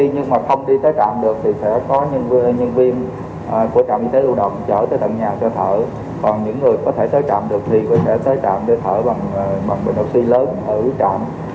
những người có thể tới trạm được thì có thể tới trạm để thở bằng bệnh oxy lớn ở trạm